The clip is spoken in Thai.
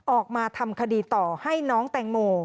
ออกมาทำคดีต่อให้น้องแตงโม